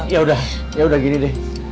yaudah yaudah gini deh